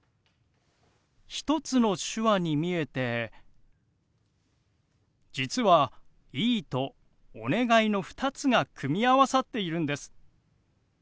１つの手話に見えて実は「いい」と「お願い」の２つが組み合わさっているんです。